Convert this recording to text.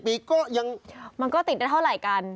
ปีก็ยังมันก็ติดได้เท่าไหร่กัน